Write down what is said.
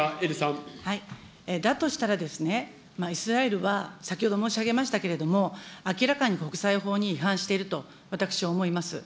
だとしたらですね、イスラエルは先ほど申し上げましたけれども、明らかに国際法に違反していると私、思います。